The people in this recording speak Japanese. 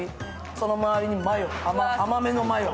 その周りに甘めのマヨ。